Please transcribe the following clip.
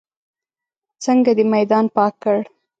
څنګه دې میدان پاک کړ.